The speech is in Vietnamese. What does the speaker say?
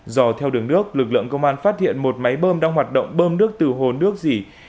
do theo đường nước lực lượng công an phát hiện một máy bơm đang hoạt động bơm nước từ hồ nước gì